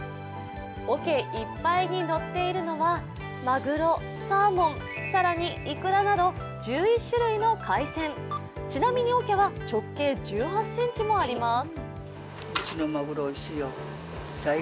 おけいっぱいにのっているのはまぐろ、サーモン、更にいくらなど１１種類の海鮮、ちなみにおけは直径１８ｃｍもあります。